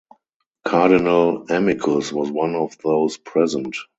Cardinal Amicus was one of those present.